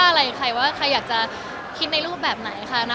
ก็ไม่ได้ว่าอะไรใครอยากจะคิดในรูปแบบไหนค่ะนะ